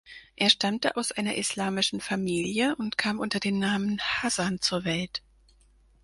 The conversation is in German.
Er stammte aus einer islamischen Familie und kam unter dem Namen "Hasan" zur Welt.